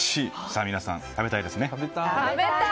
さあ皆さん、食べたいですね？